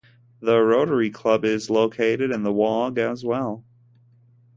The Rotary Club is located in the Waag as well.